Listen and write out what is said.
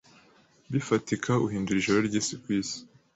bifatika uhindura ijoro ryisi kwisi